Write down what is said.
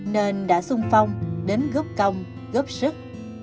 nên đã sung phong đến góp công góp sức